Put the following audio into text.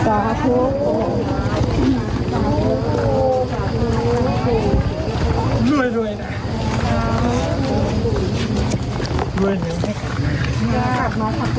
โอ้โหด้วยด้วยนะ